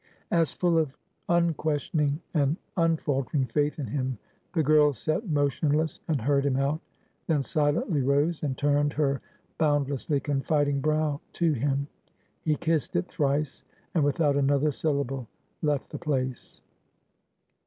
As full of unquestioning and unfaltering faith in him, the girl sat motionless and heard him out. Then silently rose, and turned her boundlessly confiding brow to him. He kissed it thrice, and without another syllable left the place.